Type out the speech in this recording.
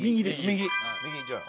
右じゃあ。